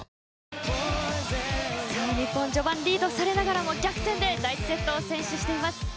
日本、序盤リードされながらも逆転で第１セットを先取しています。